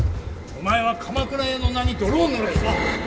お前は鎌倉屋の名に泥を塗る気か！